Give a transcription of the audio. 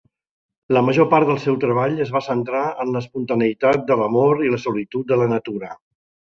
La major part del seu treball es va centrar en l'espontaneïtat de l'amor i la solitud de la natura.